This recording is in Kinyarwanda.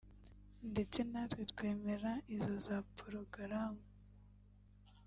ndetse natwe twemera izo za porogaramu